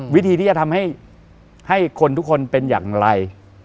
วิธีที่จะทำให้คนทุกคนเป็นอย่างไร